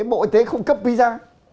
bộ y tế không cấp visa